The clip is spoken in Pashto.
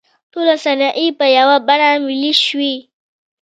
ټولې صنایع په یوه بڼه ملي شوې.